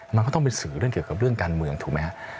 มันก็ต้องเป็นสื่อเรื่องเกี่ยวกับเรื่องการเมืองถูกไหมฮะ